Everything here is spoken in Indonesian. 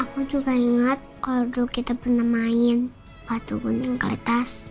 aku juga ingat kalau dulu kita pernah main batu gunting kertas